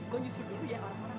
gue nyusir dulu ya orang orang